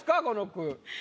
この句。